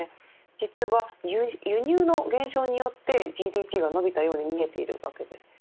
実は輸入の減少によってＧＤＰが伸びたように見えているわけです。